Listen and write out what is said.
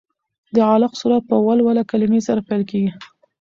د علق سورت په ولوله کلمې سره پیل کېږي.